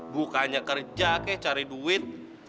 bukannya kerja kek cari duit